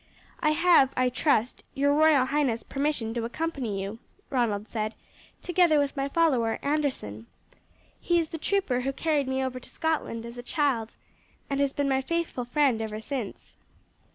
"I have, I trust, your royal highness' permission to accompany you," Ronald said; "together with my follower, Anderson. He is the trooper who carried me over to Scotland as a child, and has been my faithful friend ever since."